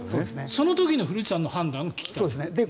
その時の古内さんの判断が聞きたい。